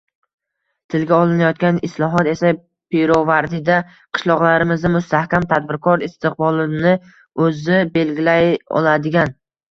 Tilga olinayotgan islohot esa pirovardida qishloqlarimizda mustahkam, tadbirkor, istiqbolini o‘zi belgilay oladigan